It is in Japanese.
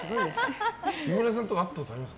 木村さんと会ったことあります？